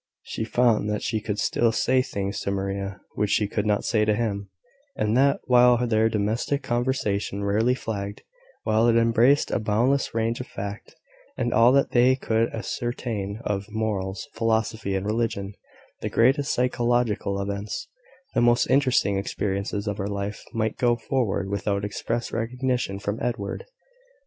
She found that she could still say things to Maria which she could not say to him; and that, while their domestic conversation rarely flagged while it embraced a boundless range of fact, and all that they could ascertain of morals, philosophy, and religion the greatest psychological events, the most interesting experiences of her life might go forward without express recognition from Edward.